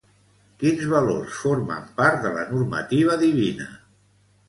Quins valors formen part de la normativa divina?